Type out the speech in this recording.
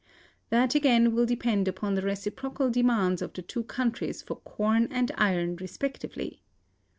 That, again, will depend upon the reciprocal demands of the two countries for corn and iron respectively.